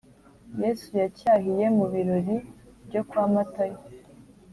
yesu yacyahiye mu birori byo kwa matayo